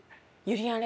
ゆりやん